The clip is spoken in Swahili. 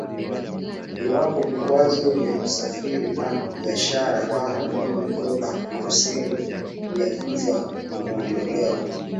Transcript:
iwapo vikwazo vya kusafiri na biashara kama vile dola hamsini ya viza vimeondolewa